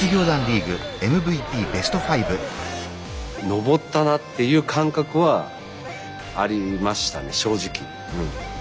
すごいな。っていう感覚はありましたね正直。